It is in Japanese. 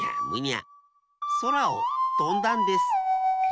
そらをとんだんです。